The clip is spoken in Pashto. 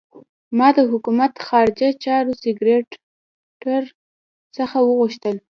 ما د حکومت خارجه چارو سکرټر څخه وغوښتل.